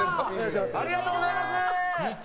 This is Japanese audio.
ありがとうございます。